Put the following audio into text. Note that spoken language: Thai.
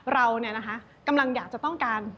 เรากำลังอยากจะต้องการ